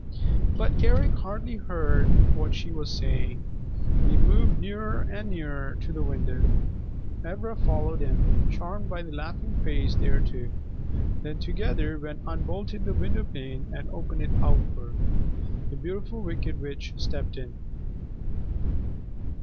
But Eric hardly heard what she was saying. He moved nearer and nearer to the window. Ivra followed him, charmed by the laughing face there too. Then together they unbolted the windowpane and opened it outward. The Beautiful Wicked Witch stepped in.